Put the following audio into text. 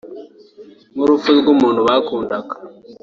nk’urupfu rw’umuntu bakundaga